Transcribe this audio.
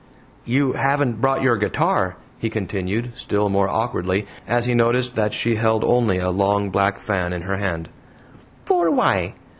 "You haven't brought your guitar," he continued, still more awkwardly, as he noticed that she held only a long black fan in her hand. "For why?